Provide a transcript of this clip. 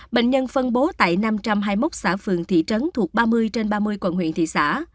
bệnh nhân phân bố tại năm trăm hai mươi một xã phường thị trấn thuộc ba mươi trên ba mươi quận huyện thị xã